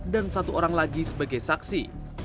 dan satu orang lagi sebagai sidoarjo